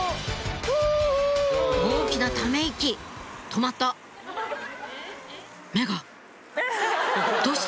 大きなため息止まった目がどうした？